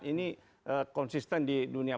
ini konsisten di dunia